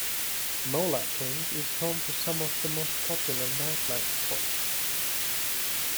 Mohlakeng is home to some of the most popular nightlife spots.